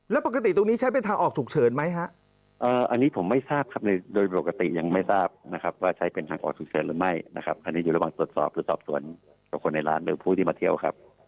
แล้วปกติตรงนี้ใช้เป็นทางออกฉุกเฉินไหมฮะอันนี้ผมไม่ทราบครับโดยปกติยังไม่ทราบนะครับว่าใช้เป็นทางออกฉุกเฉินหรือไม่นะครับอันนี้อยู่ระหว่างตรวจสอบหรือสอบสวนกับคนในร้านหรือผู้ที่มาเที่ยวครับ